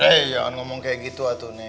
hei jangan ngomong seperti itu atune